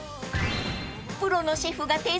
［プロのシェフが手作り］